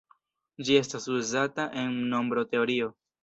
Ĝi estas uzata en nombroteorio.